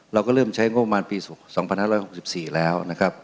เราก็เริ่มใช้งบประมาณปีสองสองพันห้าร้อยหกสิบสี่แล้วนะครับ